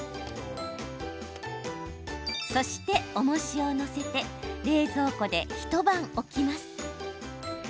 そして、おもしを載せて冷蔵庫で一晩、置きます。